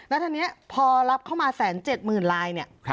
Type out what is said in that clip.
แล้วทีนี้พอรับเข้ามา๑๗๐๐๐ลายเนี่ย